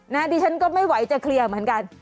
ดิฉันก็ไม่ไหวจะเคลียร์เหมือนกัน